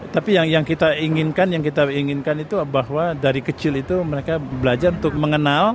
tapi yang kita inginkan itu bahwa dari kecil itu mereka belajar untuk mengenal